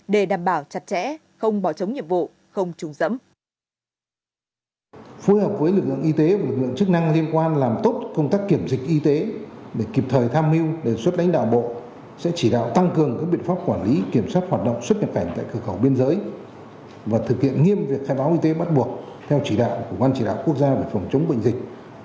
để đảm bảo chặt chẽ không bỏ chống nhiệm vụ không trùng dẫm